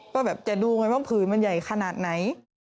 ก็แบบจะดูไงว่าผืนมันใหญ่ขนาดไหน